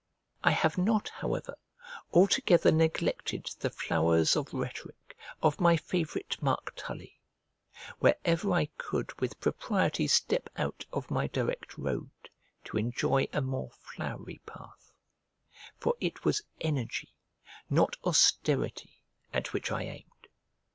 I have not however altogether neglected the flowers of rhetoric of my favourite Marc Tully, wherever I could with propriety step out of my direct road, to enjoy a more flowery path: for it was energy, not austerity, at which I aimed.